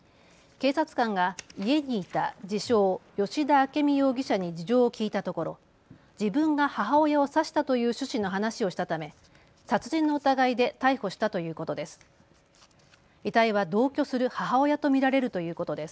警察官が家にいた自称、吉田明美容疑者に事情を聞いたところ自分が母親を刺したという趣旨の話をしたため殺人の疑いで逮捕したということです。